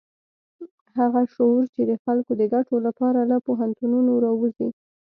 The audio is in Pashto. هغه شعور چې د خلکو د ګټو لپاره له پوهنتونونو راوزي.